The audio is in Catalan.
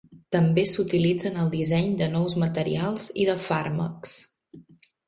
També s'utilitza en el disseny de nous materials i de fàrmacs.